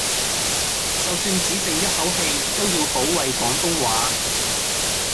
就算只剩一口氣都要保衛廣東話